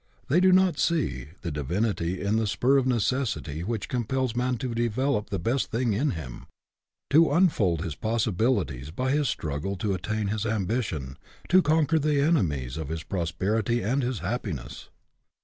They do not see the divin ity in the spur of necessity which compels man to develop the best thing in him; to unfold his possibilities by his struggle to at tain his ambition, to conquer the enemies of his prosperity and his happiness.